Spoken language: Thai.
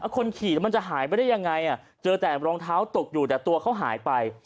คนขี่แล้วมันจะหายไปได้ยังไงเจอแต่รองเท้าตกอยู่แต่ตัวเขาหายไป